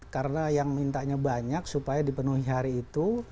karena yang mintanya banyak supaya dipenuhi hari itu